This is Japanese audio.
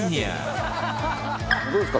どうですか？